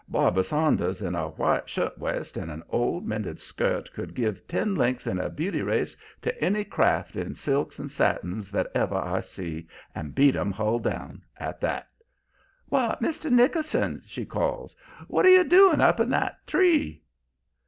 Barbara Saunders in a white shirt waist and an old, mended skirt could give ten lengths in a beauty race to any craft in silks and satins that ever I see, and beat 'em hull down at that. "'Why, Mr. Nickerson!' she calls. 'What are you doing up in that tree?'